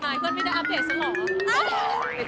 ทำไมไม่ได้อัพเดทช์ยอด